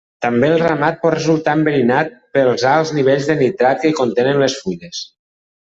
També el ramat pot resultar enverinat pels alts nivells de nitrat que contenen les fulles.